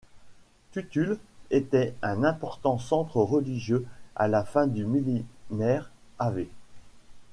Tuttul était un important centre religieux à la fin du millénaire av.